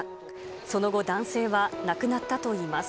その後、男性は亡くなったといいます。